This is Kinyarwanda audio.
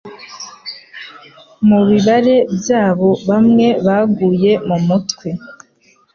Mubibare byabo bamwe baguye mumutwe